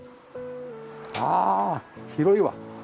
ああ広いわ。